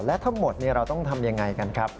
และถ้าหมดเราต้องทำอย่างไรกันครับ